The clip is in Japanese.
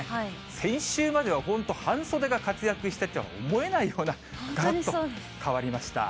先週までは本当、半袖が活躍してたとは思えないほど、がらっと変わりました。